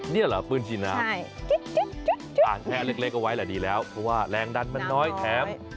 นี่เหรอปืนฉีดน้ำใช่อ่านแค่เล็กเอาไว้แหละดีแล้วเพราะว่าแรงดันมันน้อยแถม